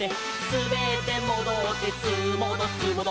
「すべってもどってすーもどすーもど」